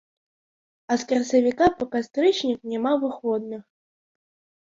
А з красавіка па кастрычнік няма выходных.